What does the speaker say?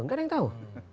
enggak ada yang tahu